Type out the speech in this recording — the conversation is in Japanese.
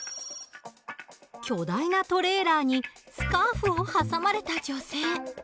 巨大なトレーラーにスカーフを挟まれた女性。